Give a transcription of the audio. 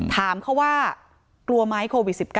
ถามเขาว่ากลัวไหมโควิด๑๙